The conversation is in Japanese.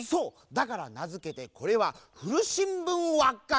だからなづけてこれは「ふるしんぶんわっかけ」。